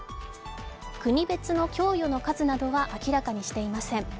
国別の供与の数などは明らかにしていません。